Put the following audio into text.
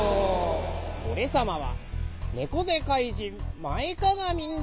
おれさまはねこぜかいじん